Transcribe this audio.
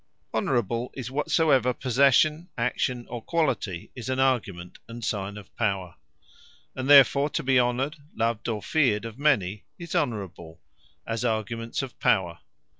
Honourable is whatsoever possession, action, or quality, is an argument and signe of Power. And therefore To be Honoured, loved, or feared of many, is Honourable; as arguments of Power.